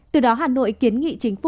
từ đó hà nội kiến nghị chính phủ